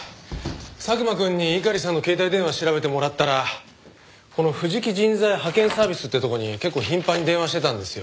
佐久間くんに猪狩さんの携帯電話調べてもらったらこの藤木人材派遣サービスってとこに結構頻繁に電話してたんですよ。